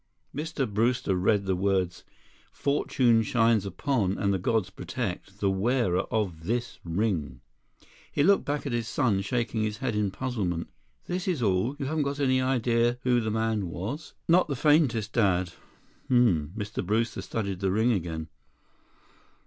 Mr. Brewster read the words: "Fortune shines upon, and the gods protect, the wearer of this ring." He looked back at his son, shaking his head in puzzlement. "This is all? You haven't any idea who the man was?" "Not the faintest, Dad." "H m m." Mr. Brewster studied the ring again.